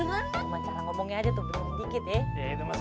banget jadi orang kaya banget bener bener